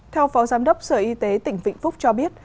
theo phó giám đốc sở y tế tỉnh vĩnh phúc cho biết